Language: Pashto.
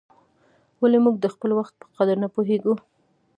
ولي موږ د خپل وخت په قدر نه پوهیږو؟